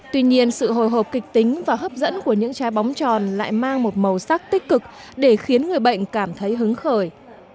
tuy nhiên sự hồi hộp kịch tính và hấp dẫn của những trái bóng tròn lại mang một màu sắc tích cực để khiến người bệnh cảm thấy hứng khởi